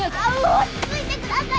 落ち着いてください